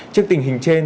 trước tình hình trên